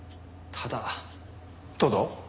ただ？